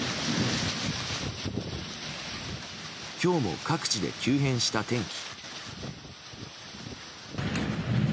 今日も各地で急変した天気。